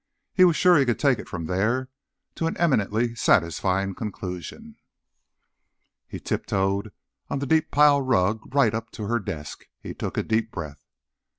He was sure he could take it from there, to an eminently satisfying conclusion. He tiptoed on the deep pile rug right up to her desk. He took a deep breath.